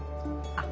あっ。